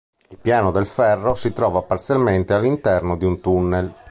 Il piano del ferro si trova parzialmente all'interno di un tunnel.